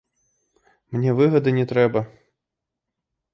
Мне выгады не трэба.